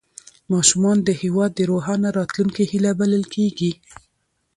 ماشومان د هېواد د روښانه راتلونکي هیله بلل کېږي